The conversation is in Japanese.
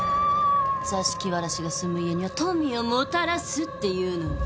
座敷わらしが住む家には富をもたらすって言うのに。